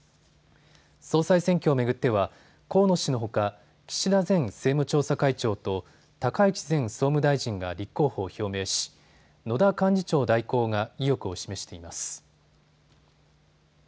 総裁選挙を巡っては、河野氏のほか岸田前政務調査会長と高市前総務大臣が立候補を表明し野田幹事長代行が意欲を示しています。